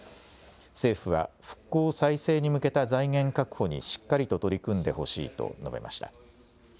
政府は復興・再生に向けた財源確保にしっかりと取り組んでほしいと述べました。